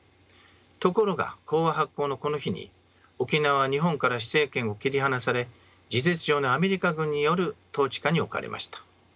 ところが講和発効のこの日に沖縄は日本から施政権を切り離され事実上のアメリカ軍による統治下に置かれました。